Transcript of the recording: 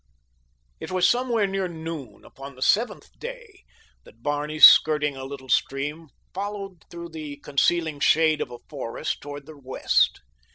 It was somewhere near noon upon the seventh day that Barney skirting a little stream, followed through the concealing shade of a forest toward the west.